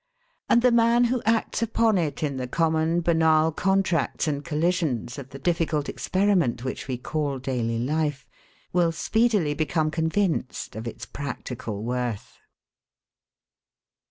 And the man who acts upon it in the common, banal contracts and collisions of the difficult experiment which we call daily life, will speedily become convinced of its practical worth.